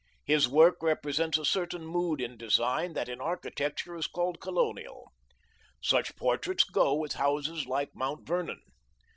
His work represents a certain mood in design that in architecture is called colonial. Such portraits go with houses like Mount Vernon.